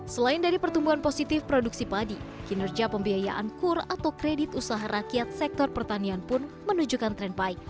selain dari pertumbuhan positif produksi padi kinerja pembiayaan kur atau kredit usaha rakyat sektor pertanian pun menunjukkan tren baik